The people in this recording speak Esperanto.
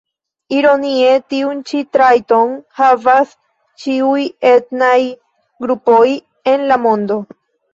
Ironie, tiun ĉi trajton havas ĉiuj etnaj grupoj en la mondo.